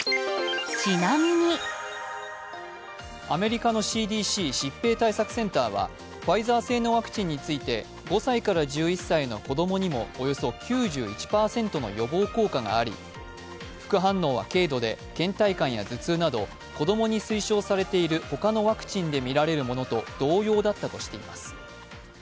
アメリカのＣＤＣ＝疾病対策センターは、ファイザー製のワクチンについて５歳から１１歳の子供にもおよそ９１％の予防効果があり副反応は軽度でけん怠感や頭痛など子供に推奨されている他のワクチンでみられるものと同様だったとしています。